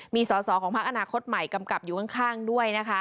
มีสอสอของพักอนาคตใหม่กำกับอยู่ข้างด้วยนะคะ